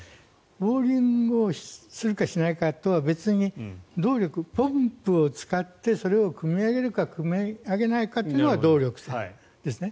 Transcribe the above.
ボーリングをするかしないかとは別に動力、ポンプを使ってそれをくみ上げるかくみ上げないかというのが動力泉ですね。